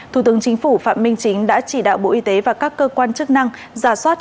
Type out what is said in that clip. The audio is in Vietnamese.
thủ tướng chính phủ phạm minh chính đã chỉ đạo bộ y tế và các cơ quan chức năng giả soát